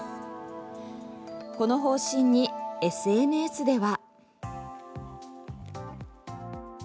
この方針にＳＮＳでは。